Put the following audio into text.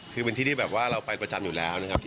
คือเป็นที่ที่แบบว่าเราไปประจำอยู่แล้วนะครับ